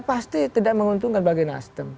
pasti tidak menguntungkan bagi nasdem